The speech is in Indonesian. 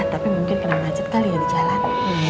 tapi mungkin kena macet kali ya di jalan